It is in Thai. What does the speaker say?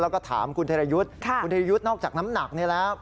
แล้วก็ถามคุณถรายุทธ์คุณถรายุทธ์นอกจากน้ำหนักนะครับค่ะ